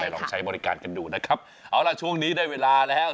ลองใช้บริการกันดูนะครับเอาล่ะช่วงนี้ได้เวลาแล้ว